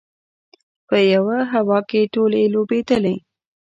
په یوه هوا کې ټولې لوبېدلې.